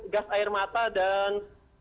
gas air mata dan